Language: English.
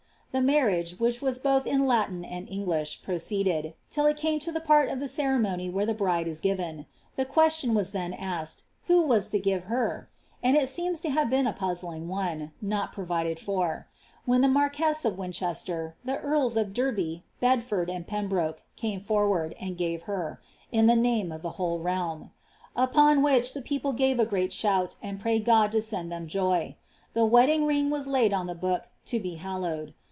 The marriage, which was both m Latin and IMUii pioeeeded, till I tame to the part of the ceremony where the brUie k given. Hw om lion was then asked, Who was to ffiva h« ? and it eeema to hsie tea a pnssling onC) not prorided for; men the maiqneea of WinchcsiBr, ths •arls of Derby, Bedtiofd, and Fembrcke, came ferwaid, and gai^ hei^k the name of the whole realm. Upon which the pecjpl* gnv9 > |i<Mt shoot, and pmyed God to send diem joy. The wmiQg nqg was hii on the bo<A, to be hallowed.